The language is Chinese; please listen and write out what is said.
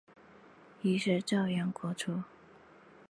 于是泾阳国除。